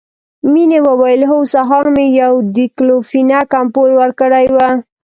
مينې وويل هو سهار مې يو ډيکلوفينک امپول ورکړى و.